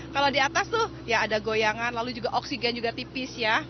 kalau di atas tuh ya ada goyangan lalu juga oksigen juga tipis ya